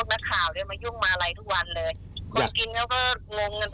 เขาก็จบแล้วแต่พวกคุณยังไม่จบกันตั้งช่องนึง